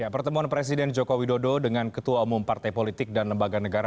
pertemuan presiden joko widodo dengan ketua umum partai politik dan lembaga negara